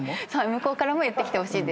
向こうからも言ってきてほしい。